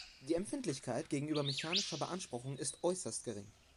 Die Empfindlichkeit gegenüber mechanischer Beanspruchung ist äußerst gering.